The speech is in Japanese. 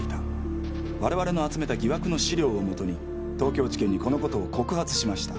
我々の集めた疑惑の資料をもとに東京地検にこのことを告発しました。